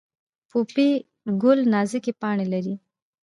پوپی ګل نازکې پاڼې لري